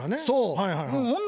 そう。